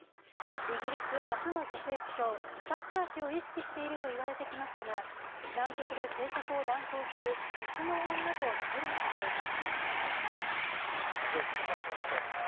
イギリス初の女性首相、サッチャー氏を意識していると言われてきましたが難局で政策を断行する鉄の女となれるのでしょうか。